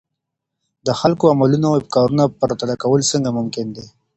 د خلګو د عملونو او افکارو پرتله کول څنګه ممکن دي؟